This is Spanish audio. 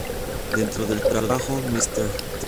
Dentro del trabajo, Mr.